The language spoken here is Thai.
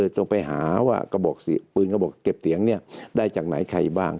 ต้องไปหาว่ากระปุ่นกระปุ่นเก็บเตียงได้จากไหนใครบ้าง